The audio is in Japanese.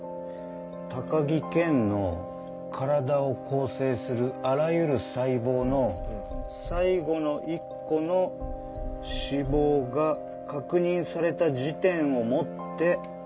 「高木健の身体を構成するあらゆる細胞の最後の一個の死亡が確認された時点をもって」。